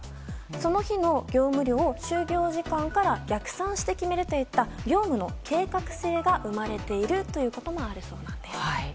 その日の業務量を就業時間から逆算して決めるといった業務の計画性が生まれているということもあるそうなんですね。